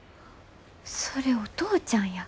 それお父ちゃんや。